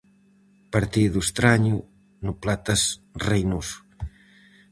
Partido estraño no Platas Reinoso.